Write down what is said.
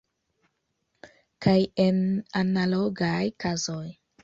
Kaj en analogaj kazoj.